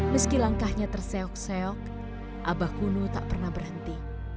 meski langkahnya terseok seok abah kuno tak pernah berhenti